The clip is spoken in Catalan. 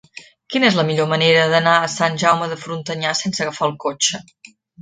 Quina és la millor manera d'anar a Sant Jaume de Frontanyà sense agafar el cotxe?